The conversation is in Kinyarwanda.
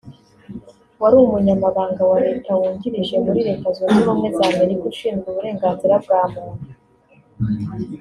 wari Umunyamabanga wa Leta wungirije muri Leta Zunze Ubumwe za Amerika ushinzwe uburenganzira bwa muntu